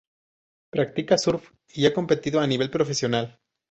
Practica surf y ha competido a nivel profesional.